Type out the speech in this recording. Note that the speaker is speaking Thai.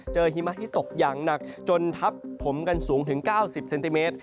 หิมะที่ตกอย่างหนักจนทับถมกันสูงถึง๙๐เซนติเมตร